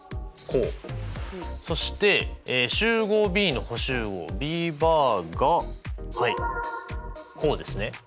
そして集合Ｂの補集合Ｂバーがはいこうですね。